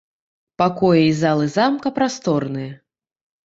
Пакоі і залы замка прасторныя.